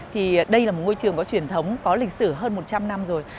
thì đây là một ngôi trường có truyền thống có lịch sử hơn một trăm linh năm rồi